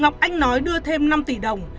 ngọc anh nói đưa thêm năm tỷ đồng